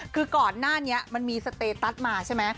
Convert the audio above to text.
คือก่อนหน้านี้มันมีสเตตัสมาใช่ไหม